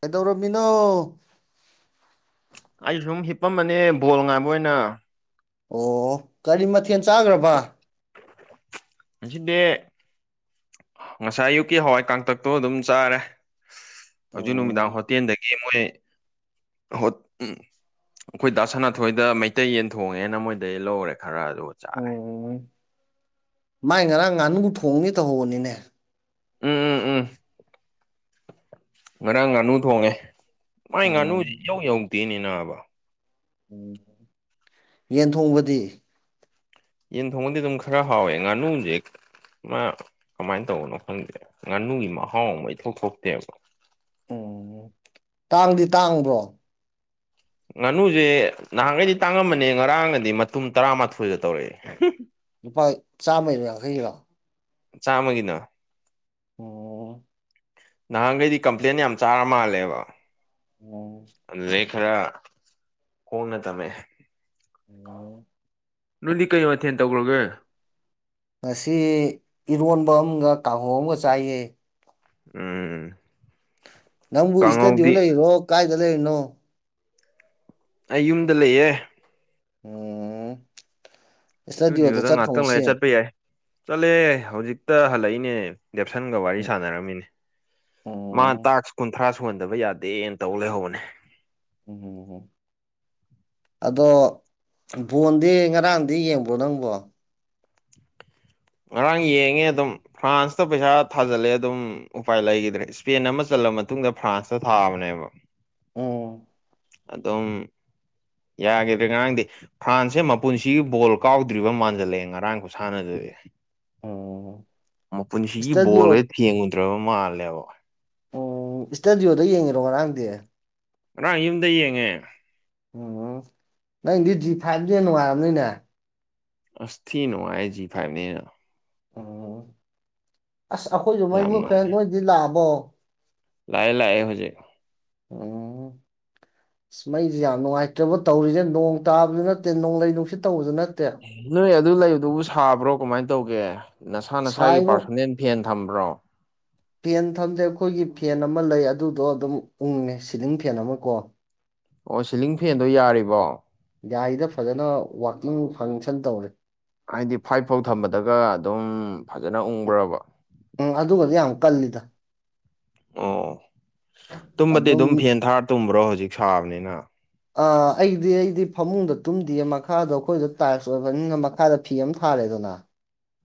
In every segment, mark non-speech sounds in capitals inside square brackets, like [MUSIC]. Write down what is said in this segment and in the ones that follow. ꯀꯩꯗꯧꯔꯝꯃꯤꯅꯣ ꯑꯩ ꯁꯨꯝ ꯍꯤꯞꯄꯝꯝꯕꯅꯦ ꯕꯣꯜ ꯉꯥꯏꯕ ꯑꯣꯏꯅ ꯑꯣ ꯀꯔꯤ ꯃꯊꯦꯜ ꯆꯥꯒ꯭ꯔꯕ ꯑꯁꯤꯗꯤ ꯉꯁꯥꯏ ꯑꯌꯨꯛꯀꯤ ꯍꯋꯥꯏ ꯀꯥꯡꯇꯛꯇꯣ ꯑꯗꯨꯝ ꯆꯥꯔꯦ ꯍꯧꯖꯤꯛ ꯅꯨꯃꯤꯗꯥꯡ ꯑꯣ ꯍꯣꯇꯦꯜꯗꯒꯤ ꯃꯣꯏ ꯍꯣ ꯎꯝ ꯑꯩꯈꯣꯏ ꯗꯥ ꯁꯅꯥꯊꯣꯏ ꯍꯣꯏꯗ ꯃꯩꯇꯩ ꯌꯦꯟ ꯊꯣꯡꯉꯦꯅ ꯃꯣꯏꯗꯒꯤ ꯂꯧꯔꯦ ꯈꯔ ꯑꯗꯨ ꯆꯥꯔꯦ ꯑꯣ ꯃꯥꯏ ꯉꯔꯥꯡ ꯉꯥꯅꯨ ꯊꯣꯡꯅꯦ ꯇꯧꯍꯧꯕꯅꯤꯅꯦ ꯎꯝ ꯎꯝ ꯎꯝ ꯉꯔꯥꯡ ꯉꯥꯅꯨ ꯊꯣꯡꯉꯦ ꯃꯥꯏ ꯎꯝ ꯉꯥꯅꯨꯁꯦ ꯏꯍꯧ ꯌꯧꯗꯦꯅꯦ ꯅꯥꯕ ꯎꯝ ꯌꯦꯟ ꯊꯣꯡꯕꯗꯤ ꯌꯦꯟ ꯊꯣꯡꯕꯗꯤ ꯑꯗꯨꯝ ꯈꯔ ꯍꯥꯎꯋꯦ ꯉꯥꯅꯨꯖꯦ ꯃꯥ ꯀꯃꯥꯏꯅ ꯇꯧꯕꯅꯣ ꯈꯪꯗꯦ ꯉꯥꯅꯨꯒꯤ ꯃꯍꯥꯎ ꯑꯃ ꯏꯊꯣꯛ ꯊꯣꯛꯇꯦꯕ ꯎꯝ ꯇꯥꯡꯗꯤ ꯇꯥꯡꯕ꯭ꯔꯣ ꯉꯥꯅꯨꯁꯦ ꯅꯍꯥꯟꯈꯩꯗꯤ ꯇꯥꯡꯉꯝꯕꯅꯦ ꯉꯔꯥꯡꯅꯗꯤ ꯃꯇꯨꯝ ꯇꯔꯥꯃꯥꯊꯣꯏꯒ ꯇꯧꯔꯛꯑꯦ ꯂꯨꯄꯥ ꯆꯥꯝꯃꯩꯔꯣ ꯌꯥꯡꯈꯩꯒꯤꯔꯣ ꯆꯥꯝꯃꯒꯤꯅ ꯑꯣ ꯅꯍꯥꯟꯒꯩꯗꯤ ꯀꯝꯄ꯭ꯂꯦꯟ ꯌꯥꯝ ꯆꯥꯔ ꯃꯥꯜꯂꯦꯕ ꯑꯗꯨꯗꯩ ꯈꯔ ꯈꯣꯡꯅ ꯇꯝꯃꯦ ꯎꯝ ꯅꯣꯏꯗꯤ ꯀꯩ ꯃꯊꯦꯜ ꯇꯧꯒꯔꯒꯦ ꯉꯁꯤ ꯏꯔꯣꯟꯕ ꯑꯃꯒ ꯀꯥꯡꯍꯧ ꯑꯃꯒ ꯆꯥꯏꯌꯦ ꯎꯝ ꯅꯪꯕꯨ ꯁꯇꯦꯗꯤꯑꯣ ꯀꯥꯡꯍꯧꯗꯤ ꯂꯩꯔꯤꯔꯣ ꯀꯥꯏꯗ ꯂꯩꯅꯣ ꯑꯩ ꯌꯨꯝꯗ ꯂꯩꯌꯦ ꯑꯣ ꯏꯁꯇꯗꯤꯑꯣꯗ ꯏꯁꯇꯨꯗꯤꯑꯣꯗ ꯆꯠꯇ꯭ꯔꯣ ꯉꯥꯛꯇꯪ ꯉꯁꯤ ꯂꯩꯔ ꯆꯠꯄ ꯌꯥꯏ ꯆꯠꯂꯦ ꯍꯧꯖꯤꯛꯇ ꯍꯜꯂꯛꯏꯅꯦ ꯗꯦꯞꯁꯟꯒ ꯋꯥꯔꯤ ꯁꯥꯟꯅꯔꯝꯃꯤꯅꯤ ꯎꯝ ꯃꯥ ꯇꯥꯛꯁ ꯀꯨꯟꯊ꯭ꯔꯥ ꯁꯨꯍꯟꯗꯕ ꯌꯥꯗꯦꯅ ꯇꯧ ꯂꯩꯍꯧꯕꯅꯦ ꯎꯝ ꯍ ꯎꯨꯝ [UNINTELLIGIBLE] ꯑꯗꯣ ꯕꯣꯟꯗꯤ ꯉꯔꯥꯡꯗꯤ ꯌꯦꯡꯕ꯭ꯔꯣ ꯅꯪꯕꯣ ꯉꯔꯥꯡ ꯌꯦꯡꯉꯦ ꯑꯗꯨꯝ ꯐ꯭ꯔꯥꯟꯁꯇ ꯄꯩꯁꯥ ꯊꯥꯖꯜꯂꯦ ꯑꯗꯨꯝ ꯎꯄꯥꯏ ꯂꯩꯒꯤꯗ꯭ꯔꯦ ꯏꯁꯄꯦꯟ ꯑꯃ ꯆꯜꯂꯦ ꯃꯇꯨꯡꯗ ꯐ꯭ꯔꯥꯟꯁꯇ ꯊꯥꯕꯅꯦꯕ ꯎꯝ ꯑꯗꯨꯝ ꯌꯥꯒꯤꯗ꯭ꯔꯦ ꯉꯔꯥꯡꯗꯤ ꯐ꯭ꯔꯥꯟꯁꯁꯦ ꯃꯄꯨꯟꯁꯤꯒꯤ ꯕꯣꯜ ꯀꯥꯎꯗ꯭ꯔꯤꯕ ꯃꯥꯟꯖꯜꯂꯛꯑꯦ ꯉꯔꯥꯡ ꯈꯨꯁꯥꯟꯅꯗꯨꯗꯤ ꯎꯝ ꯃꯄꯨꯟꯁꯤꯒꯤ ꯏꯁꯇꯗꯤꯑꯣ ꯕꯣꯜꯒꯖꯦ ꯊꯦꯡꯗ꯭ꯔꯕ ꯃꯥꯜꯂꯦꯕ ꯎꯝ ꯏꯁꯇꯗꯤꯌꯣꯗ ꯌꯦꯡꯉꯤꯔꯣ ꯉꯔꯥꯡꯗꯤ ꯉꯔꯥꯡ ꯌꯨꯝꯗ ꯌꯦꯡꯉꯦ ꯎꯝ ꯅꯪꯗꯤ ꯖꯤ ꯐꯥꯏꯚ ꯅꯤꯅ ꯅꯨꯡꯉꯥꯏꯔꯝꯅꯤꯅꯦ ꯑꯁ ꯊꯤ ꯅꯨꯉꯥꯏ ꯑꯩ ꯖꯤ ꯐꯥꯏꯚꯅꯤꯅ ꯎꯝ ꯑꯁ ꯑꯩꯈꯣꯏꯖꯨ ꯃꯩ ꯌꯥꯝ ꯃꯨꯠꯈ꯭ꯔꯦ ꯅꯨꯡꯉꯥꯏ ꯅꯣꯏꯗꯤ ꯂꯥꯛꯑꯕꯣ ꯂꯥꯛꯑꯦ ꯂꯥꯛꯑꯦ ꯍꯧꯖꯤꯛ ꯎꯝ ꯏꯁ ꯃꯩꯖꯦ ꯌꯥꯝ ꯅꯨꯡꯉꯥꯏꯇ꯭ꯔꯕ ꯇꯧꯔꯤꯖꯦ ꯅꯣꯡ ꯇꯥꯕꯖꯨ ꯅꯠꯇꯦ ꯅꯣꯡꯂꯩ ꯅꯨꯡꯁꯤꯠ ꯇꯧꯕꯖꯨ ꯅꯠ ꯅꯣꯏ ꯑꯗꯨ ꯂꯩꯕꯗꯨꯕꯨ ꯁꯥꯕ꯭ꯔꯣ ꯀꯃꯥꯏ ꯇꯧꯒꯦ ꯅꯁꯥ ꯅꯁꯥꯒꯤ ꯁꯥꯏꯕꯨ ꯄꯥꯔꯁꯣꯅꯦꯟ ꯐꯦꯟ ꯊꯝꯕ꯭ꯔꯣ ꯐꯦꯟ ꯊꯝꯗꯦ ꯑꯩꯈꯣꯏꯒꯤ ꯐꯦꯟ ꯑꯃ ꯂꯩ ꯑꯗꯨꯗꯣ ꯑꯗꯨꯝ ꯎꯪꯉꯦ ꯁꯤꯂꯤꯡ ꯐꯦꯟ ꯑꯃ ꯀꯣ ꯑꯣ ꯁꯤꯂꯤꯡ ꯐꯦꯟꯗꯣ ꯌꯥꯔꯤꯕꯣ ꯌꯥꯔꯤꯗ ꯐꯖꯅ ꯋꯥꯀꯤꯡ ꯐꯪꯁꯟ ꯇꯧꯔꯦ ꯍꯥꯏꯗꯤ ꯐꯥꯏꯞ ꯐꯧ ꯊꯝꯕꯗꯒ ꯑꯗꯨꯝ ꯐꯖꯅ ꯎꯪꯕ꯭ꯔꯕ ꯎꯝ ꯑꯗꯨꯒꯗꯤ ꯌꯥꯝ ꯀꯜꯂꯤꯗ ꯑꯣ ꯇꯨꯝꯕꯗꯤ ꯑꯗꯨꯝ ꯐꯦꯟ ꯊꯥꯔ ꯇꯨꯝꯕ꯭ꯔꯣ ꯍꯧꯖꯤꯛ ꯁꯥꯕꯅꯤꯅ ꯑ ꯑꯩꯗꯤ ꯑꯩꯗꯤ ꯐꯃꯨꯡꯗ ꯇꯨꯝꯗꯤꯌꯦ ꯃꯈꯥꯗ ꯑꯩꯈꯣꯏꯗꯣ ꯇꯥꯏꯜꯁ ꯑꯣꯏꯕꯅꯤꯅ ꯃꯈꯥꯗ ꯐꯤ ꯑꯃ ꯊꯥꯔꯦꯗꯅ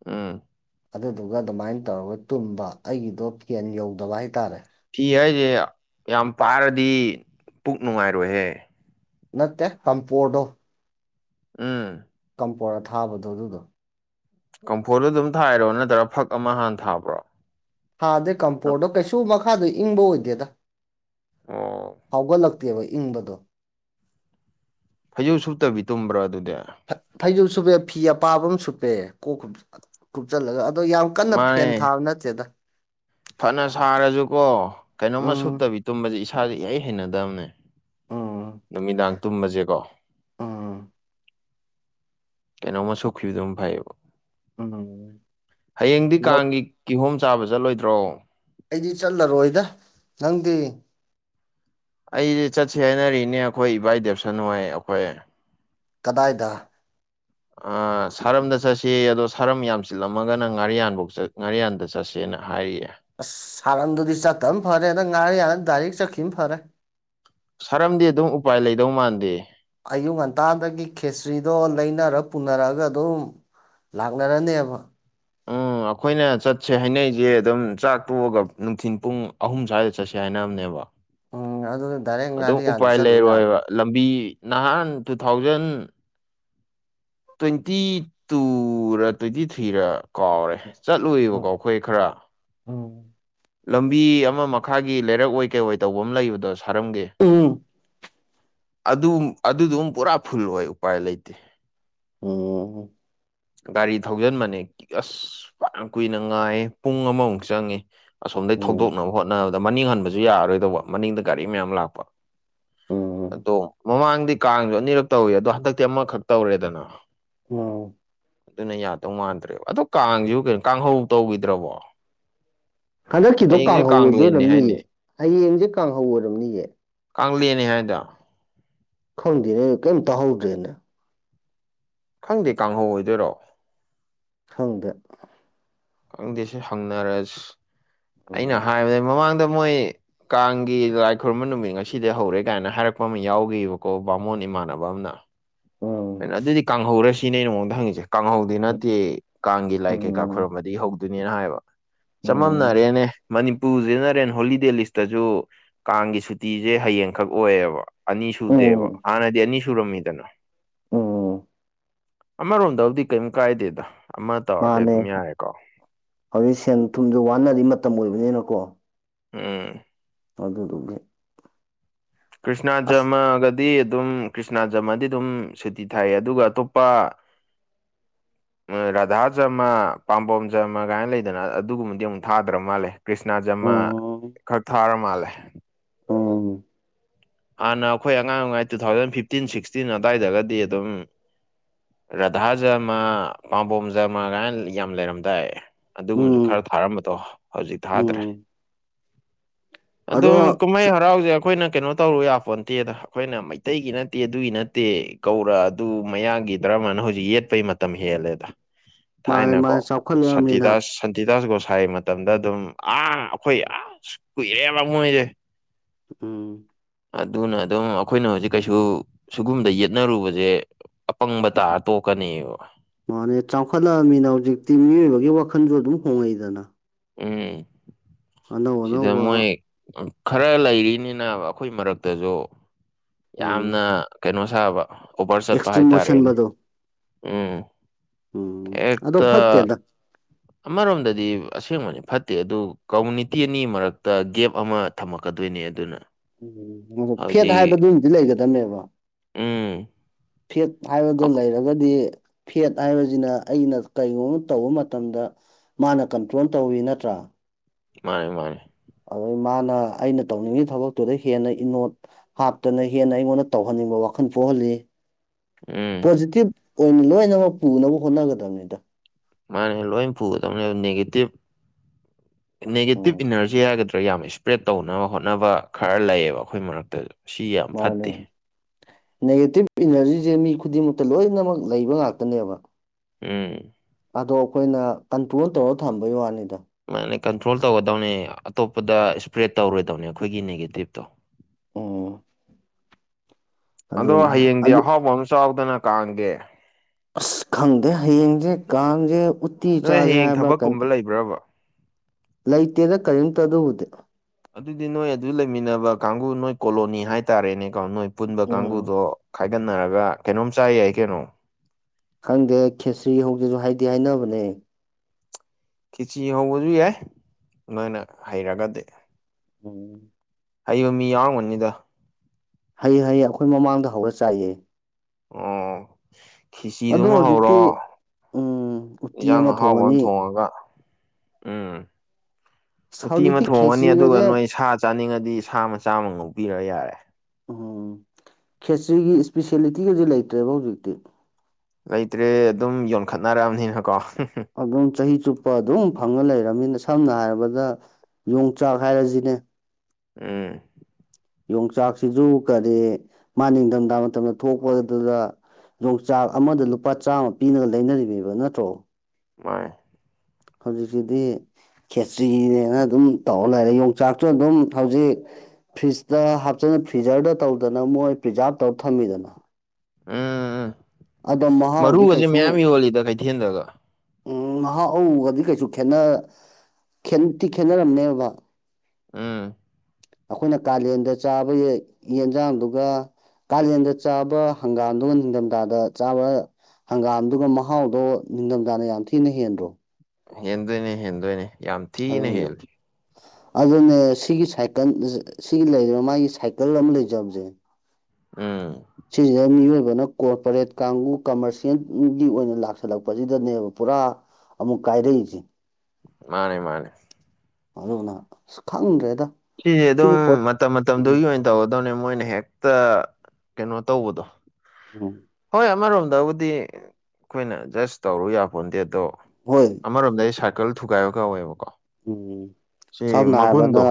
ꯎꯝ ꯑꯗꯨꯗꯨꯒ ꯑꯗꯨꯃꯥꯏꯟ ꯇꯧꯔꯒ ꯇꯨꯝꯕ ꯑꯩꯒꯤꯗꯣ ꯐꯦꯟ ꯌꯧꯗꯕ ꯍꯥꯏꯇꯥꯔꯦ ꯐꯤ ꯍꯥꯏꯖꯦ ꯌꯥꯝ ꯄꯥꯔꯗꯤ ꯄꯨꯛ ꯅꯨꯡꯉꯥꯏꯔꯣꯏꯍꯦ ꯅꯠꯇꯦ ꯍꯝꯄꯣꯔꯗꯣ ꯎꯝ ꯄꯣꯔ ꯑꯊꯥꯕꯗꯣ ꯑꯗꯨꯗꯣ ꯀꯝꯄꯔꯣꯗꯣ ꯑꯗꯨꯝ ꯊꯥꯏꯔꯣ ꯅꯠꯇ꯭ꯔꯥ ꯐꯛ ꯑꯃ ꯍꯥꯟꯅ ꯊꯥꯕ꯭ꯔꯣ ꯍꯥꯟꯗꯩ ꯅꯪ? ꯀꯝꯄꯣꯔꯗꯣ ꯀꯩꯁꯨ ꯃꯈꯥꯗ ꯏꯪꯕ ꯑꯣꯏꯗꯦꯗ ꯑꯣ ꯐꯥꯎꯒꯠꯂꯛꯇꯦꯕ ꯏꯪꯕꯗꯣ ꯐꯩꯖꯨꯞ ꯁꯨꯞꯇꯕꯤ ꯇꯨꯝꯕ꯭ꯔꯣ ꯑꯗꯨꯗꯤ ꯐꯩꯖ ꯁꯨꯞꯄꯦ ꯐꯤ ꯑꯄꯥꯕ ꯑꯃ ꯁꯨꯞꯄꯦ ꯀꯣꯛꯀ ꯀꯨꯞꯆꯜꯂꯒ ꯑꯗꯣ ꯌꯥꯝ ꯀꯟꯅ ꯐꯦꯟ ꯃꯥꯅꯦ ꯊꯥꯕ ꯅꯠꯇꯦꯗ ꯐꯅ ꯁꯥꯔꯁꯨꯀꯣ ꯀꯩꯅꯣꯝꯃ ꯎꯝ ꯁꯨꯞꯇꯕꯤ ꯇꯨꯝꯕꯁꯦ ꯏꯁꯥꯥꯁꯦ ꯏꯍꯩ ꯍꯩꯅꯗꯕꯅꯦ ꯎꯝ ꯅꯨꯃꯤꯗꯥꯡ ꯇꯨꯝꯕꯁꯦꯀꯣ ꯎꯝ ꯀꯩꯅꯣꯝꯃ ꯁꯨꯞꯈꯤꯕꯗꯨꯝ ꯐꯩꯌꯦꯕ ꯎꯝ ꯍꯌꯦꯡꯗꯤ ꯂꯧ ꯀꯥꯡꯒꯤ ꯀꯤꯍꯣꯝ ꯆꯥꯕ ꯆꯠꯂꯣꯏꯗ꯭ꯔꯣ ꯑꯩꯗꯤ ꯆꯠꯂꯔꯣꯏꯗ ꯅꯪꯗꯤ ꯑꯩꯗꯤ ꯆꯠꯁꯦ ꯍꯥꯏꯅꯔꯤꯅꯦ ꯑꯩꯈꯣꯏ ꯏꯕꯥꯏ ꯗꯦꯞꯁꯟ ꯍꯣꯏ ꯑꯩꯈꯣꯏ ꯀꯗꯥꯏꯗ ꯑ ꯁꯔꯝꯗ ꯆꯠꯁꯦꯌꯦ ꯑꯗꯣ ꯁꯥꯔꯝ ꯌꯥꯝ ꯆꯤꯜꯂꯝꯃꯒꯅ ꯉꯥꯔꯤꯌꯥꯟꯐꯧ ꯆꯠ ꯉꯥꯔꯤꯌꯥꯟꯗ ꯆꯠꯁꯦꯅ ꯍꯥꯏꯔꯤꯌꯦ ꯑꯁ ꯁꯥꯔꯟꯗꯨꯗꯤ ꯆꯠꯇꯝ ꯐꯔꯦꯗ ꯉꯥꯔꯤ ꯌꯥꯥꯟꯅ ꯗꯥꯏꯔꯦꯛ ꯆꯠꯈꯤꯝ ꯐꯔꯦ ꯁꯥꯔꯝꯗꯤ ꯑꯗꯨꯝ ꯎꯄꯥꯏ ꯂꯩꯗꯧ ꯃꯥꯟꯗꯦ ꯑꯌꯨꯛ ꯉꯟꯇꯥꯗꯒꯤ ꯈꯦꯆꯔꯤꯗꯣ ꯂꯩꯅꯔ ꯄꯨꯅꯔꯛꯑꯒ ꯑꯗꯨꯝ ꯂꯥꯛꯅꯔꯅꯦꯕ ꯎꯨꯝ ꯑꯩꯈꯣꯏꯅ ꯆꯠꯁꯦ ꯍꯥꯏꯅꯔꯤꯁꯦ ꯑꯗꯨꯝ ꯆꯥꯛ ꯇꯣꯛꯑꯒ ꯅꯨꯡꯊꯤꯟ ꯄꯨꯡ ꯑꯍꯨꯝ ꯁ꯭ꯋꯥꯏꯗ ꯆꯠꯁꯤ ꯍꯥꯏꯅꯅꯦꯕ ꯎꯝ ꯑꯗꯨꯅ ꯗꯥꯏꯔꯦꯛ ꯑꯗꯨꯝ ꯉꯥꯔꯤꯌꯥꯟꯗ ꯎꯄꯥꯏ ꯆꯠꯂꯨ ꯌꯥꯔꯦ ꯂꯩꯔꯣꯏꯕ ꯂꯝꯕꯤ ꯅꯍꯥꯟ ꯇꯨ ꯊꯥꯎꯖꯟ ꯇꯣꯏꯟꯇꯤ ꯇꯨꯔ ꯇꯣꯏꯟꯇꯤ ꯊ꯭ꯔꯤꯔ ꯀꯥꯎꯔꯦ ꯆꯠꯂꯨꯏꯕꯀꯣ ꯑꯩꯈꯣꯏ ꯈꯔ ꯎꯨꯝ ꯂꯝꯕꯤ ꯑꯃ ꯃꯈꯥꯒꯤ ꯂꯩꯔꯛꯑꯣꯏ ꯀꯩꯑꯣꯏ ꯇꯧꯕ ꯑꯃ ꯂꯩꯕꯗꯣ ꯁꯥꯔꯝꯒꯤ ꯎꯨꯝ ꯑꯗꯨ ꯑꯗꯨꯗꯨꯝ ꯄꯨꯔꯥ ꯐꯨꯜ ꯑꯣꯏ ꯎꯄꯥꯏ ꯂꯩꯇꯦ꯫ ꯎꯨꯝ ꯒꯥꯔꯤ ꯊꯧꯖꯤꯟꯕꯅꯦ ꯑꯁ ꯐꯅ ꯀꯨꯏꯅ ꯉꯥꯏ ꯄꯨꯡ ꯑꯃꯃꯨꯛ ꯆꯪꯉꯤ ꯑꯁꯣꯝꯗꯒꯤ ꯎꯝ ꯊꯧꯗꯣꯛꯅꯕ ꯍꯣꯠꯅꯕꯗ ꯃꯅꯤꯡ ꯍꯟꯕꯁꯨ ꯌꯥꯔꯔꯣꯏꯗꯧꯕ ꯃꯅꯤꯡꯗ ꯒꯥꯔꯤ ꯃꯌꯥꯝ ꯂꯥꯛꯄ ꯎꯝ ꯑꯗꯣ ꯃꯃꯥꯡꯗꯤ ꯀꯥꯡꯁꯨ ꯑꯅꯤꯔꯛ ꯇꯧꯋꯤ ꯑꯗꯣ ꯍꯟꯗꯛꯇꯤ ꯑꯃꯥꯔꯛꯈꯛ ꯇꯧꯔꯦꯗꯅ ꯎꯝ ꯑꯗꯨꯅ ꯌꯥꯗꯧ ꯃꯥꯟꯗ꯭ꯔꯦꯕ ꯑꯗꯣ ꯀꯥꯡꯁꯨ ꯀꯩꯅꯣ ꯀꯥꯡꯍꯧ ꯇꯧꯈꯤꯗ꯭ꯔꯕꯣ ꯍꯟꯗꯛꯀꯤꯗꯣ ꯍꯌꯦꯡꯁꯦ ꯀꯥꯡꯍꯧ ꯀꯥꯡꯂꯦꯟꯅꯤ ꯑꯣꯏꯗꯣꯏꯔꯝꯅꯤꯌꯦ ꯍꯥꯏꯅꯦ ꯍꯌꯦꯡꯁꯦ ꯀꯥꯡꯍꯧ ꯑꯣꯏꯔꯔꯕꯅꯤꯌꯦ ꯀꯥꯡꯂꯦꯟꯅꯤ ꯍꯥꯏꯗ ꯈꯪꯗꯦꯅꯦ ꯀꯩꯝ ꯇꯥꯍꯧꯗ꯭ꯔꯦꯅꯦ ꯈꯪꯗꯦ ꯀꯥꯡꯍꯧ ꯑꯣꯏꯗꯣꯏꯔꯣ ꯈꯪꯗꯦ ꯈꯪꯗꯦꯁꯦ ꯍꯪꯅꯔꯁꯤ ꯑꯩꯅ ꯎꯝ ꯍꯥꯏꯕꯗ ꯃꯃꯥꯡꯗ ꯃꯣꯏ ꯀꯥꯡꯒꯤ ꯂꯥꯏ ꯈꯨꯔꯝꯕ ꯅꯨꯃꯤꯠ ꯉꯁꯤꯗ ꯍꯧꯔꯦ ꯀꯥꯏꯅ ꯍꯥꯏꯔꯛꯄ ꯑꯃ ꯌꯥꯎꯒꯤꯕꯀꯣ ꯕꯥꯃꯣꯟ ꯏꯃꯥꯟꯅꯕ ꯑꯃꯅ ꯎꯝ ꯅ ꯑꯗꯨꯗꯤ ꯀꯥꯡꯍꯧꯔꯁꯤꯅꯦ ꯑꯩꯅ ꯃꯉꯣꯟꯗ ꯍꯪꯉꯤꯁꯦ ꯀꯥꯡꯍꯧꯗꯤ ꯅꯠꯇꯦ ꯀꯥꯡꯒꯤ ꯂꯥꯏ ꯀꯩꯀꯥ ꯎꯝ ꯈꯨꯣꯏꯔꯝꯕꯗꯒꯤ ꯍꯧꯗꯣꯏꯅꯦꯅ ꯍꯥꯏꯕ ꯎꯝ ꯆꯃꯝꯅꯔꯦꯅꯦ꯫ ꯃꯅꯤꯄꯨꯔꯖꯤꯅ ꯔꯦꯟ ꯍꯣꯂꯤꯗꯦ ꯂꯤꯁꯇꯁꯨ ꯀꯥꯡꯒꯤ ꯁꯨꯇꯤꯁꯦ ꯍꯌꯦꯡꯈꯛ ꯑꯣꯏꯌꯦꯕ ꯑꯅꯤ ꯁꯨꯗꯦꯕ ꯎꯝ ꯍꯥꯟꯅꯗꯤ ꯑꯅꯤ ꯁꯨꯔꯝꯃꯤꯗꯅ ꯑꯣ ꯑꯃꯔꯣꯝꯗꯕꯨꯗꯤ ꯀꯩꯝ ꯀꯥꯏꯗꯦꯗ ꯑꯃ ꯇꯧꯔꯗꯤ ꯃꯥꯅꯦ ꯑꯗꯨꯝ ꯌꯥꯔꯦꯀꯣ ꯍꯧꯖꯤꯛ ꯁꯦꯟ ꯊꯨꯝꯁꯨ ꯋꯥꯟꯅꯔꯤ ꯃꯇꯝ ꯑꯣꯏꯕꯅꯤꯅꯀꯣ ꯎꯝ ꯑꯗꯨꯗꯨꯒꯤ ꯀ꯭ꯔꯤꯁꯅ ꯑꯁ ꯖꯔꯃꯒꯗꯤ ꯑꯗꯨꯝ ꯀ꯭ꯔꯤꯁꯅꯥ ꯖꯔꯃꯒꯗꯤ ꯑꯗꯨꯝ ꯁꯨꯇꯤ ꯊꯥꯏ ꯑꯗꯨꯒ ꯑꯇꯣꯞꯄ [INAUDIBLE] ꯔꯥꯙꯥ ꯖꯔꯃ ꯄꯥꯝꯕꯣꯝ ꯖꯔꯃ ꯒꯥꯏꯅ ꯂꯩꯗꯅ ꯑꯗꯨꯒꯨꯝꯕꯗꯤ ꯑꯃꯨꯛ ꯊꯥꯗ꯭ꯔ ꯃꯥꯜꯂꯦ꯫ ꯀ꯭ꯔꯤꯁꯅꯥ ꯖꯔꯃꯥ ꯎꯝ ꯈꯔ ꯊꯥꯔꯥ ꯃꯥꯜꯂꯦ ꯑꯣ ꯍꯥꯟꯅ ꯑꯩꯈꯣꯏ ꯑꯉꯥꯡ ꯑꯣꯏꯉꯥꯏ ꯇꯨ ꯊꯥꯎꯖꯟ ꯐꯤꯐꯇꯤꯟ ꯁꯤꯛꯁꯇꯤꯟ ꯑꯗꯨꯋꯥꯏꯗꯒꯗꯤ ꯑꯗꯨꯝ ꯔꯥꯙꯥ ꯖꯔꯃ ꯄꯥꯝꯕꯣꯝ ꯖꯔꯃ ꯀꯥꯏꯅ ꯌꯥꯝ ꯂꯩꯔꯝꯗꯥꯏ ꯑꯗꯨꯒꯨꯝꯕꯁꯨ ꯎꯝ ꯈꯔ ꯊꯥꯔꯝꯕꯗꯣ ꯍꯧꯖꯤꯛ ꯊꯥꯗ꯭ꯔꯦ ꯎꯝ ꯑꯗꯣ ꯑꯗꯨꯝ ꯀꯨꯝꯍꯩ ꯍꯔꯥꯎꯁꯦ ꯑꯩꯈꯣꯏꯅ ꯀꯩꯅꯣ ꯇꯧꯔꯨ ꯌꯥꯄꯣꯟ ꯅꯠꯇꯦꯗ ꯑꯩꯈꯣꯏꯅ ꯃꯩꯇꯩꯒꯤ ꯅꯠꯇꯦ ꯑꯗꯨꯒꯤ ꯅꯠꯇꯦ ꯀꯧꯔ ꯑꯗꯨ ꯃꯌꯥꯡꯒꯤ ꯗꯔꯃꯅ ꯍꯧꯖꯤꯛ ꯌꯦ ꯌꯦꯦꯠꯄꯩ ꯃꯇꯝ ꯍꯦꯜꯂꯦꯗ ꯃꯥꯅꯦ ꯃꯥꯅꯦ ꯆꯥꯎꯈꯠꯂꯛꯑꯕꯅꯤꯅ ꯁꯇꯤꯇꯥꯁ ꯀꯣꯁꯥꯥꯏ ꯃꯇꯝꯗ ꯑꯗꯨꯝ ꯑꯥ ꯑꯩꯈꯣꯏ ꯌꯥꯝ ꯀꯨꯏꯔꯦꯕ ꯃꯣꯏꯁꯦ ꯎꯝ ꯑꯗꯨꯅ ꯑꯗꯨꯝ ꯑꯩꯈꯣꯏꯅ ꯍꯧꯖꯤꯛ ꯀꯩꯁꯨ ꯁꯤꯒꯨꯝꯗ ꯌꯦꯠꯅꯔꯨꯕꯁꯦ ꯑꯄꯪꯕ ꯇꯥꯔ ꯇꯣꯛꯀꯅꯤꯕ ꯃꯥꯅꯦ ꯆꯥꯎꯈꯠꯂꯛꯑꯃꯤꯅ ꯍꯧꯖꯤꯛꯇꯤ ꯃꯤꯑꯣꯏꯕꯒꯤ ꯋꯥꯈꯜꯁꯨ ꯑꯗꯨꯝ ꯍꯣꯡꯉꯛꯏꯗꯅ꯫ ꯎꯝ ꯑꯅꯧ ꯁꯤꯗ ꯑꯅꯧꯕ ꯃꯣꯏ ꯈꯔ ꯂꯩꯔꯤꯅꯤꯅ ꯑꯩꯈꯣꯏ ꯃꯔꯛꯇꯁꯨ ꯎꯝ ꯌꯥꯝꯅ ꯀꯩꯅꯣ ꯁꯥꯕ ꯑꯣꯕꯔ ꯆꯠꯄ ꯑꯦꯛꯁꯇ꯭ꯔꯤꯝ ꯍꯥꯏꯇꯥꯔꯦꯅꯦ ꯑꯣꯏꯁꯟꯕꯗꯣ ꯎꯝ ꯎꯝ ꯑꯗꯣ ꯍꯦꯛꯇ ꯐꯠꯇꯦꯗ ꯑꯃꯔꯣꯝꯗꯗꯤ ꯑꯁꯦꯡꯕꯅꯤ ꯐꯠꯇꯦ ꯑꯗꯨ ꯀꯝꯃꯨꯅꯤꯇꯤ ꯑꯅꯤ ꯃꯔꯛꯇ ꯒꯦꯞ ꯑꯃ ꯊꯝꯃꯛꯀꯗꯣꯏꯅꯤ ꯑꯗꯨꯅ ꯎꯝ ꯑ ꯐꯦꯠ ꯍꯧꯖꯤꯛ ꯍꯥꯏꯕꯗꯨꯃꯗꯤ ꯂꯩꯒꯗꯕꯅꯦꯕ ꯎꯝ ꯐꯦꯠ ꯍꯥꯏꯕꯗꯣ ꯑꯈꯣ- ꯂꯩꯔꯒꯗꯤ ꯐꯦꯠ ꯍꯥꯏꯕꯁꯤꯅ ꯑꯩꯅ ꯀꯔꯤꯒꯨꯝꯕ ꯇꯧꯕ ꯃꯇꯝꯗ ꯃꯥꯅ ꯀꯟꯇ꯭ꯔꯣꯜ ꯇꯧꯋꯤ ꯅꯠꯇ꯭ꯔꯥ ꯃꯥꯅꯦ ꯃꯥꯅꯦ ꯑꯗꯩ ꯃꯥꯅ ꯑꯩꯅ ꯇꯧꯅꯤꯡꯉꯤ ꯊꯕꯛꯇꯨꯗ ꯍꯦꯟꯅ ꯏꯅꯣꯠ ꯍꯥꯞꯇꯅ ꯍꯦꯟꯅ ꯑꯩꯉꯣꯟꯗ ꯇꯧꯍꯟꯅꯤꯡꯕ ꯋꯥꯈꯜ ꯄꯣꯛꯍꯜꯂꯤ ꯎꯝ ꯄꯣꯖꯤꯇꯤꯕ ꯑꯣꯏꯅ ꯂꯣꯏꯅꯃꯛ ꯄꯨꯅꯕ ꯍꯣꯠꯅꯒꯗꯕꯅꯤꯗ ꯃꯥꯅꯦ ꯂꯣꯏ ꯄꯨꯒꯗꯕꯅꯦ ꯅꯦꯒꯦꯇꯤꯞ ꯅꯦꯒꯦꯇꯤꯞ ꯎꯝ ꯏꯅꯔꯖꯤ ꯍꯥꯏꯒꯗ꯭ꯔꯥ ꯌꯥꯝ ꯁꯄ꯭ꯔꯦꯠ ꯇꯧꯅꯕ ꯍꯣꯠꯅꯕ ꯈꯔ ꯂꯩꯌꯦꯕ ꯑꯩꯈꯣꯏ ꯃꯔꯛꯇꯁꯨ ꯁꯤ ꯌꯥꯝ ꯃꯥꯅꯦ ꯐꯠꯇꯦ ꯅꯦꯒꯦꯇꯤꯞ ꯏꯅꯔꯖꯤꯁꯦ ꯃꯤ ꯈꯨꯗꯤꯡꯃꯛꯇ ꯂꯣꯏꯅꯃꯛ ꯂꯩꯕ ꯉꯥꯛꯇꯅꯦꯕ ꯎꯝ ꯑꯗꯣ ꯑꯩꯈꯣꯏꯅ ꯀꯟꯇ꯭ꯔꯣꯜ ꯇꯧꯔ ꯊꯝꯕꯒꯤ ꯋꯥꯅꯤꯗ ꯃꯥꯟꯅꯦ ꯀꯟꯇ꯭ꯔꯣꯜ ꯇꯧꯒꯗꯧꯅꯦ ꯑꯇꯣꯞꯄꯗ ꯁꯄ꯭ꯔꯦꯠ ꯇꯧꯔꯣꯏꯗꯧꯅꯦ ꯑꯩꯈꯣꯏꯒꯤ ꯅꯦꯒꯦꯇꯤꯞꯇꯣ ꯑꯣ ꯑꯗꯣ ꯍꯌꯦꯡꯗꯤ ꯑꯗꯨ ꯑꯍꯥꯎꯕ ꯑꯃ ꯆꯥꯎꯗꯅ ꯀꯥꯡꯒꯦ ꯑꯁ ꯈꯪꯗꯦ ꯍꯌꯦꯡꯁꯦ ꯀꯥꯡꯁꯦ ꯎꯠꯇꯤ ꯆꯥꯖꯦ ꯍꯥꯏꯕꯔ ꯀꯩꯅꯣ ꯕ꯭ꯔꯣꯕꯣ [UNINTELLIGIBLE] ꯂꯩꯇꯦꯗ ꯀꯔꯤꯝꯇ ꯑꯗꯨꯕꯨꯗꯤ ꯑꯗꯨꯗꯤ ꯅꯣꯏ ꯑꯗꯨ ꯂꯩꯃꯤꯟꯅꯕ ꯀꯥꯡꯒꯨ ꯅꯣꯏ ꯀꯣꯂꯣꯅꯤ ꯍꯥꯏꯇꯥꯔꯦꯅꯦꯀꯣ ꯅꯣꯏ ꯄꯨꯟꯕ ꯎꯝ ꯀꯥꯡꯕꯨꯗꯣ ꯈꯥꯏꯒꯠꯅꯔꯒ ꯀꯩꯅꯣꯝ ꯆꯥꯏꯌꯥꯏ ꯀꯩꯅꯣ ꯈꯪꯗꯦ ꯈꯦꯆ꯭ꯔꯤ ꯍꯧꯖꯦꯁꯨ ꯍꯥꯏꯗꯤ ꯍꯥꯏꯅꯕꯅꯦ ꯀꯦꯆ꯭ꯔꯤ ꯍꯧꯕꯁꯨ ꯌꯥꯏ ꯅꯣꯏꯅ ꯍꯩꯔꯒꯗꯤ ꯎꯝ ꯍꯕ ꯃꯤ ꯌꯥꯎꯕꯅꯤꯗ ꯍꯩꯌꯦ ꯍꯩꯌꯦ ꯑꯩꯈꯣꯏ ꯃꯃꯥꯡꯗ ꯍꯧꯔꯒ ꯆꯥꯏꯌꯦ ꯑꯣ ꯑꯗꯣ ꯈꯤꯆꯤꯗꯨꯃ ꯍꯧꯖꯤꯛꯇꯤ ꯍꯧꯔꯣ ꯎꯝ ꯎꯇꯤ ꯏꯟꯁꯥꯡ ꯑꯍꯥꯎꯕ ꯊꯣꯡꯉꯅꯤ ꯑꯃ ꯊꯣꯡꯉꯒ ꯎꯝ ꯑꯁ ꯎꯇꯤ ꯑꯃ ꯍꯧꯖꯤꯛꯇꯤ ꯊꯣꯡꯉꯅꯤ ꯑꯗꯨꯒ ꯈꯦꯆ꯭ꯔꯤꯒꯁꯦ ꯅꯣꯏ ꯁꯥ ꯆꯥꯅꯤꯡꯉꯗꯤ ꯁꯥ ꯃꯆꯥꯃ ꯉꯧꯕꯤꯔ ꯌꯥꯔꯦ ꯎꯝ ꯈꯦꯆ꯭ꯔꯤꯒꯤ ꯁꯄꯤꯁꯦꯂꯤꯇꯤ ꯒꯁꯦ ꯂꯩꯇ꯭ꯔꯦꯕ ꯍꯧꯖꯤꯛꯇꯤ ꯂꯩꯇ꯭ꯔꯦ ꯑꯗꯨꯝ ꯌꯣꯟꯈꯠꯅꯔꯛꯑꯕꯅꯤꯅꯀꯣ ꯑꯗꯨꯝ ꯆꯍꯤ ꯆꯨꯞꯄ ꯑꯗꯨꯝ ꯐꯪꯉ ꯂꯩꯔꯕꯅꯤꯅ ꯁꯝꯅ ꯍꯥꯏꯔꯕꯗ ꯌꯣꯡꯆꯥꯛ ꯍꯥꯏꯔꯁꯤꯅꯦ ꯎꯝ ꯌꯣꯡꯆꯥꯛꯁꯤꯁꯨ ꯀꯔꯤ ꯃꯥ ꯅꯤꯡꯊꯝꯊꯥ ꯃꯇꯝꯗ ꯊꯣꯛꯄꯗꯨꯗ ꯌꯣꯡꯆꯥꯛ ꯑꯃꯗ ꯂꯨꯄꯥ ꯆꯥꯝꯃ ꯄꯤꯔꯒ ꯂꯩꯅꯔꯤꯃꯤꯕ ꯅꯠꯇ꯭ꯔꯣ ꯃꯥꯅꯦ ꯍꯧꯖꯤꯛꯁꯤꯗꯤ ꯈꯦꯇ꯭ꯔꯤꯅꯦꯅ ꯑꯗꯨꯝ ꯇꯧꯔ ꯂꯩꯔꯦ ꯌꯣꯡꯆꯥꯛꯁꯨ ꯑꯗꯨꯝ ꯍꯧꯖꯤꯛ ꯐ꯭ꯔꯤꯖꯇ ꯍꯥꯞꯆꯟꯅ ꯐ꯭ꯔꯤꯖꯔꯗ ꯇꯧꯗꯅ ꯃꯣꯏ ꯄ꯭ꯔꯤꯖꯥꯕ ꯇꯧꯔ ꯊꯝꯃꯤꯗꯅ ꯑꯗꯣ ꯃꯍꯥꯎꯗꯤ ꯃꯔꯨꯁꯦ ꯀꯩꯁꯨ ꯃꯌꯥꯝ ꯌꯣꯜꯂꯤꯗ ꯀꯩꯊꯦꯜꯗꯒ ꯎꯝ ꯉꯥꯏꯍꯥꯛ ꯑꯒꯗꯤ ꯀꯩꯁꯨ ꯈꯦꯅꯇꯤ ꯈꯦꯠꯅꯔꯝꯅꯦꯕ ꯎꯝ ꯑꯩꯈꯣꯏꯅ ꯀꯥꯂꯦꯟꯗ ꯆꯥꯕ ꯌꯦꯟꯁꯥꯡꯗꯨꯒ ꯀꯥꯂꯦꯟꯗ ꯆꯥꯕ ꯍꯪꯒꯥꯝꯗ ꯅꯤꯡꯊꯝꯊꯥꯗ ꯆꯥꯕ ꯍꯪꯒꯥꯝꯗꯨꯒ ꯃꯍꯥꯎꯗꯣ ꯅꯤꯡꯊꯝꯊꯥꯅ ꯌꯥꯝ ꯊꯤꯅ ꯍꯦꯟꯗ꯭ꯔꯣ ꯍꯦꯟꯗꫭꯏꯅꯦ ꯍꯦꯟꯗꫭꯏꯅꯦ ꯍꯥꯏꯒꯨꯝꯅ ꯑꯗꯨꯅꯦ ꯁꯤꯒꯤ ꯁꯥꯏꯀꯜ ꯁꯤꯒꯤ ꯂꯩꯔꯤꯕ ꯃꯥꯒꯤ ꯁꯥꯏꯀꯜ ꯑꯃ ꯂꯩꯖꯕꯁꯦ ꯎꯝ ꯁꯤꯁꯤꯅ ꯃꯤꯑꯣꯏꯕꯅ ꯀꯣꫪꯄꯣꯔꯦꯠ ꯀꯥꯡꯕꯨ ꯀꯃꫪꯁꯤꯌꯦꯜꯒꯤ ꯑꯣꯏꯅ ꯂꯥꯛꯁꯜꯂꯛꯄꯁꯤꯗꯅꯦꯕ ꯄꯨꯔꯥ ꯑꯃꯨꯛ ꯀꯥꯏꯔꯛꯏꯁꯤ ꯃꯥꯅꯦ ꯃꯥꯅꯦ ꯑꯗꯨꯅ ꯑꯁ‌ ꯈꯪꯗ꯭ꯔꯦꯗ ꯁꯤꯁꯦ ꯑꯗꯨꯝ ꯁꯤꯒꯤ ꯄꯣꯠ ꯃꯇꯝ ꯎꯝ ꯃꯇꯝꯗꯨꯒꯤ ꯑꯣꯏꯅ ꯇꯧꯒꯗꯧꯅꯦ ꯃꯣꯏꯅ ꯍꯦꯛꯇ ꯀꯩꯅꯣ ꯇꯧꯕꯗꯣ ꯎꯝ ꯍꯣꯏ ꯑꯃꯔꯣꯝꯗꯕꯨꯗꯤ ꯑꯩꯈꯣꯏꯅ ꯖꯁ ꯇꯧꯔꯨ ꯌꯥꯄꯣꯟꯇꯦ ꯑꯗꯣ ꯍꯣꯏ ꯑꯃꯔꯣꯝꯗ ꯍꯥꯏꯗꯤ ꯁꯥꫪꯀꯜ ꯊꯨꯒꯥꯏꯕ ꯀꯧꯋꯦꯕꯀꯣ ꯎꯝ ꯁꯤ ꯁꯝꯅ ꯃꯒꯨꯟꯗꯣ ꯍꯥꯏꯔꯕꯗ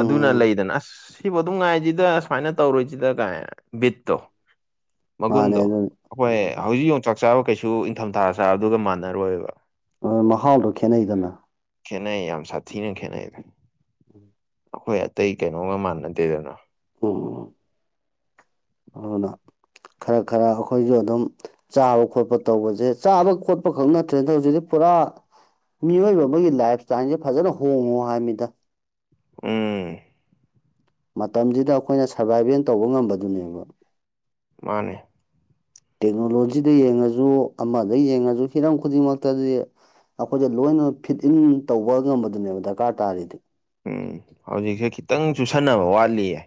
ꯑꯗꯨꯅ ꯂꯩꯗꯅ ꯑꯁ ꯁꯤꯕꯨ ꯑꯗꯨꯝ ꯉꯥꯏꯁꯤꯗ ꯁꯨꯃꯥꯏꯅ ꯇꯧꯔꫭꯏꯁꯤꯗ ꯀꯥꯏ ꯕꯤꯠꯇꯣ ꯃꯥꯅꯦ ꯃꯒꯨꯟꯗꯣ ꯑꯗꯨꯅꯤ ꯑꯩꯈꯣꯏ ꯍꯧꯖꯤꯛ ꯌꯣꯡꯆꯥꯛ ꯆꯥꯕ ꯀꯩꯁꯨ ꯏꯪꯊꯝꯊꯥꯗ ꯆꯥꯕꯗꯨꯒ ꯃꯥꯟꯅꯔꯣꯏꯕ ꯑ ꯃꯍꯥꯎꯗꯣ ꯈꯦꯠꯅꯩꯗꯅ ꯈꯦꯠꯅꯩ ꯌꯥꯝ ꯁꯥꯊꯤꯅ ꯈꯦꯠꯅꯩꯗ ꯑꯈꯣꯏ ꯑꯇꯩ ꯀꯩꯅꯣꯒ ꯃꯥꯟꯅꯗꯦꯗꯅ ꯎꯝ ꯑꯗꯨꯅ ꯈꯔ ꯈꯔ ꯑꯩꯈꯣꯏꯁꯨ ꯑꯗꯨꯝ ꯆꯥꯕ ꯈꯣꯠꯄ ꯇꯧꯕꯁꯦ ꯆꯥꯕ ꯈꯣꯠꯄ ꯈꯛ ꯅꯠꯇ꯭ꯔꯦꯗ ꯍꯧꯖꯤꯛꯇꯤ ꯄꯨꯔꯥ ꯃꯤꯑꯣꯏꯕ ꯑꯃꯒꯤ ꯂꯥꯏꯐ ꯏꯁ꯭ꯇꯥꯏꯜꯁꯦ ꯐꯖꯅ ꯍꯣꯡꯉꯣ ꯍꯥꯏꯕꯃꯤꯗ ꯎꯝ ꯃꯇꯝꯁꯤꯗ ꯑꯩꯈꯣꯏꯅ ꯁꫪꯕꯥꯏꯚꯦꯜ ꯇꯧꯕ ꯉꯝꯕꯗꯨꯅꯦꯕ ꯃꯥꯅꯦ ꯇꯦꯛꯅꯣꯂꯣꯖꯤꯗ ꯌꯦꯡꯉꯁꯨ ꯑꯃꯗ ꯌꯦꯡꯉꯁꯨ ꯍꯤꯔꯝ ꯈꯨꯗꯤꯡꯃꯛꯇꯗꯤ ꯑꯈꯣꯏꯗ ꯂꯣꯏꯅ ꯐꯤꯠ ꯏꯟ ꯇꯧꯕ ꯉꯝꯕꯗꯨꯅꯦꯕ ꯗꫪꯀꯥꫪ ꯇꯥꯔꯤꯗꯤ ꯎꯝ ꯍꯧꯖꯤꯛꯁꯦ ꯈꯤꯇꯪ ꯆꯨꯁꯟꯅꯕ ꯋꯥꯠꯂꯤꯌꯦ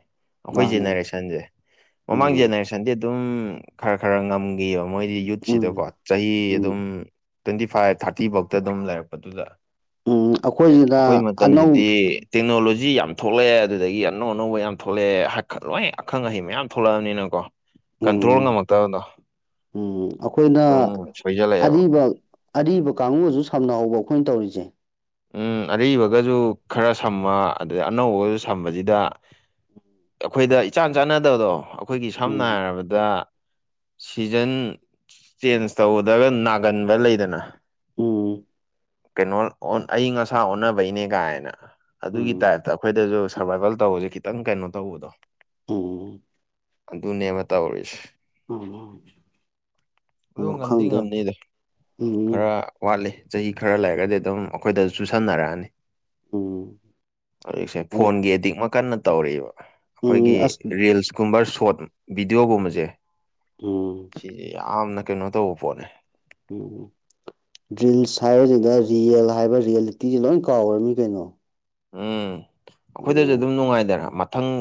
ꯑꯈꯣꯏ ꯃꯥꯅꯦ ꯖꯦꯅꯦꯔꯦꯁꯟꯁꯦ ꯃꯃꯥꯡ ꯎꯝ ꯖꯦꯅꯦꯔꯦꯁꯟꯗꯤ ꯑꯗꯨꯝ ꯈꯔ ꯈꯔ ꯉꯝꯒꯤꯌꯦꯕ ꯃꯣꯏꯗꯤ ꯌꯨꯠꯁꯤꯗꯀꯣ ꯎꯝ ꯆꯍꯤ ꯑꯗꯨꯝ ꯎꯝ ꯇ꯭ꯋꯦꯟꯇꯤ ꯐꯥꯏꯚ ꯊꯥꫪꯇꯤ ꯐꯧꯗ ꯑꯗꯨꯝ ꯂꯩꯔꯛꯄꯗꯨꯗ ꯎꯝ ꯑꯩꯈꯣꯏꯁꯤꯅ ꯑꯅꯧ ꯒꯤ ꯇꯦꯛꯅꯣꯂꯣꯖꯤ ꯌꯥꯝ ꯊꯣꯛꯂꯛꯑꯦ ꯑꯗꯨꯗꯒꯤ ꯑꯅꯧ ꯑꯅꯧꯕ ꯌꯥꯝ ꯊꯣꯛꯂꯛꯑꯦ ꯍꯥꯠꯒ ꯂꯣꯏ ꯑꯈꯪ ꯑꯍꯩ ꯃꯌꯥꯝ ꯊꯣꯛꯂꯛꯑꯕꯅꯤꯅꯀꯣ ꯀꯟꯇ꯭ꯔꯣꯜ ꯎꯝ ꯉꯝꯃꯛꯇꯕꯗꯣ ꯎꯝ ꯑꯩꯈꯣꯏꯅ ꯑꯗꯨꯝ ꯁꯣꯏꯖꯜꯂꯛꯑꯦꯕ ꯑꯔꯤꯕ ꯑꯔꯤꯕ ꯀꯥꯡꯕꯨꯁꯨ ꯁꯝꯅꯍꯧꯕ ꯑꯩꯈꯣꯏꯅ ꯇꯧꯔꯤꯁꯦ ꯎꯝ ꯑꯔꯤꯕꯒꯖꯨ ꯈꯔ ꯁꯝꯕ ꯑꯗꯩ ꯑꯅꯧꯕꯒꯁꯨ ꯁꯝꯕꯁꯤꯗ ꯑꯩꯈꯣꯏꯗ ꯏꯆꯥꯟ ꯆꯥꯟꯅꯗꯕꯗꯣ ꯑꯩꯈꯣꯏꯒꯤ ꯁꯝꯅ ꯎꯝ ꯍꯥꯏꯔꯕꯗ ꯑꯗ ꯁꯤꯖꯟ ꯆꯦꯟꯖ ꯇꯧꯗꯒ ꯅꯥꯒꯟꯕ ꯂꯩꯗꯅ ꯎꯝ ꯀꯩꯅꯣ ꯑꯏꯤꯡ ꯑꯁꯥ ꯑꯣꯟꯅꯕꯩꯅꯦ ꯀꯥꯏꯅ ꯑꯗꯨꯒꯤ ꯎꯝ ꯇꯥꯏꯞꯇ ꯑꯩꯈꯣꯏꯗꯁꯨ ꯁꯔꯕꯥꯏꯚꯦꯜ ꯇꯧꯕꯁꯦ ꯈꯤꯇꯪ ꯀꯩꯅꯣ ꯇꯧꯕꯗꯣ ꯎꯝ ꯑꯗꯨꯅꯦꯕ ꯇꯧꯔꯤꯁꯦ ꯎꯝ ꯑꯗꫭ ꯑꯗꯣ ꯉꯝꯗꯤ ꯈꯪꯗꯦ ꯉꯝꯅꯤꯗ ꯎꯝ ꯈꯔ ꯋꯥꯠꯂꯤ ꯆꯍꯤ ꯈꯔ ꯂꯩꯔꯒꯗꯤ ꯑꯗꯨꯝ ꯑꯩꯈꯣꯏꯗ ꯆꯨꯁꯟꯅꯔꯛꯑꯅꯤ ꯎꯝ ꯍꯧꯖꯤꯛꯁꯦ ꯐꯣꯟꯒꯤ ꯑꯦꯗꯤꯛꯃ ꯀꯟꯅ ꯇꯧꯔꯤꯕ ꯎꯝ ꯑꯁ ꯑꯩꯈꯣꯏꯒꯤ ꯔꯤꯜꯁꯀꯨꯝꯕ ꯁꯣꯠ ꯚꯤꯗꯤꯌꫭꯒꯨꯝꯕꯁꯦ ꯎꯝ ꯁꯤꯁꯦ ꯌꯥꯝꯅ ꯀꯩꯅꯣ ꯇꯧꯕ ꯄꯣꯠꯅꯦ ꯔꯤꯜꯁ ꯍꯥꯏꯕꯁꯤꯗ ꯔꯤꯌꯦꯜ ꯍꯥꯏꯕ ꯔꯤꯌꯦꯂꯤꯇꯤꯁꯦ ꯂꯣꯏ ꯀꯥꯎꯒ꯭ꯔꯝꯃꯤ ꯀꯩꯅꯣ ꯎꯝ ꯑꯣ ꯑꯩꯈꯣꯏꯗꯁꯨ ꯑꯗꯨꯝ ꯅꯨꯡꯉꯥꯏꯗꯅ ꯃꯊꯪ